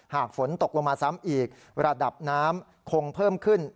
หากฝนตกลงมาซ้ำอีกระดับน้ำคงเพิ่มขึ้น